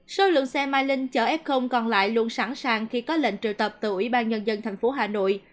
số lượng xe mai linh chở f còn lại luôn sẵn sàng khi có lệnh triệu tập từ ủy ban nhân dân thành phố hà nội